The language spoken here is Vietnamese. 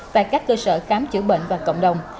tại các cơ sở khám chữa bệnh và cộng đồng